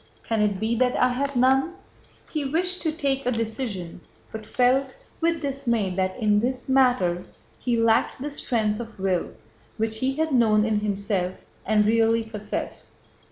Can it be that I have none?" He wished to take a decision, but felt with dismay that in this matter he lacked that strength of will which he had known in himself and really possessed.